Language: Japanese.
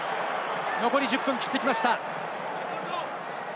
残り１０分を切ってきました。